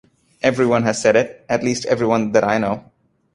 Every one has said it; at least every one that I know.